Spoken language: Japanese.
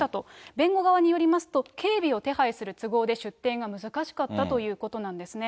弁護側によりますと、警備を手配する都合で出廷が難しかったということなんですね。